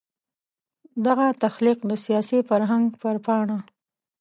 دغه تخلیق د سیاسي فرهنګ پر پاڼه.